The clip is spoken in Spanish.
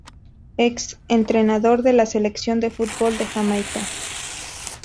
Ex entrenador de la Selección de fútbol de Jamaica.